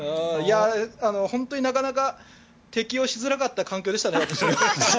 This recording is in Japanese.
本当に適応しづらかった環境でしたね。